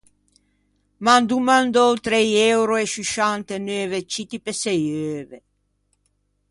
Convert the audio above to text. M’an domandou trei euro e sciusciant’e neuve citti pe sëi euve.